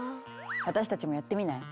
私たちもやってみない？